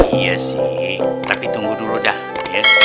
iya sih tapi tunggu dulu dah ya